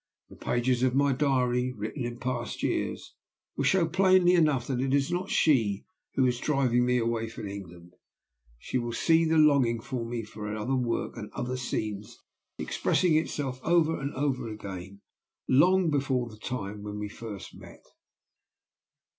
The pages of my diary, written in past years, will show plainly enough that it is not she who is driving me away from England. She will see the longing in me for other work and other scenes expressing itself over and over again long before the time when we first met."